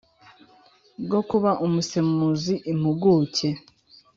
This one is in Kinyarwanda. bwo kuba umusemuzi impuguke